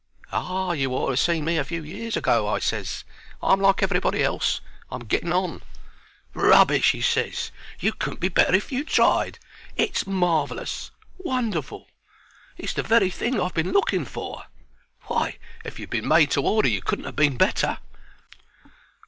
"Ah, you ought to ha' seen me a few years ago," I ses. "I'm like everybody else I'm getting on." "Rubbish!" he ses. "You couldn't be better if you tried. It's marvellous! Wonderful! It's the very thing I've been looking for. Why, if you'd been made to order you couldn't ha' been better."